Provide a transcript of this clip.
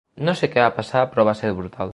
No sé per què va passar, però va ser brutal.